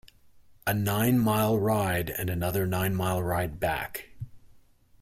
A nine-mile ride, and another nine-mile ride back.